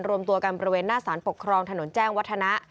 รวมตัวกันบริเวณหน้าสารปกครองถนนแจ้งวัฒนะ